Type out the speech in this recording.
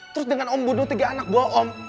terus dengan om bunuh tiga anak buah om